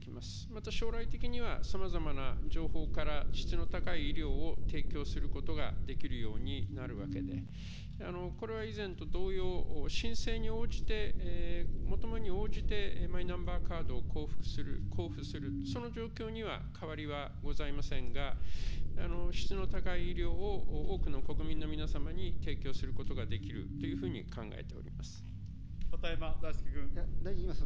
また将来的には、さまざまな情報から質の高い医療を提供することができるようになるわけで、これは以前と同様、申請に応じて、求めに応じて、マイナンバーカードを交付する、その状況には変わりはございませんが、質の高い医療を多くの国民の皆様に提供することができるというふうに考えております。